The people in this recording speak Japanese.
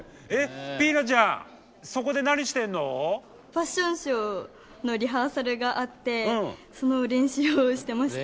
ファッションショーのリハーサルがあってその練習をしてました。